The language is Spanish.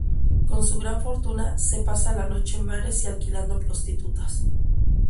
Con su gran fortuna se pasa la noche en bares y alquilando prostitutas.